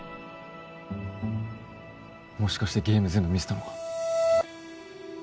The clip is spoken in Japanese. もしかしてゲーム全部見せたのか？